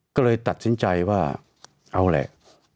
ก็เลยตัดสินใจว่าเอาแหละ